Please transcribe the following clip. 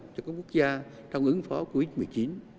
cho các quốc gia trong ứng phó covid một mươi chín